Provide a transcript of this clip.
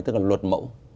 tức là luật mẫu